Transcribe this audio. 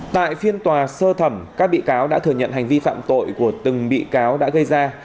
tại phiên tòa sơ thẩm các bị cáo đã thừa nhận hành vi phạm tội của từng bị cáo đã gây ra